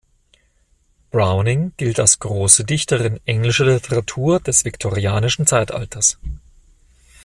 Browning gilt als große Dichterin englischer Literatur des Viktorianischen Zeitalters.